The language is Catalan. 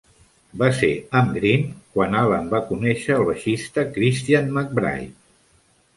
Va ser amb Green quan Allen va conèixer el baixista Christian McBride.